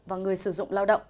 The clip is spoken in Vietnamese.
và người sử dụng lao động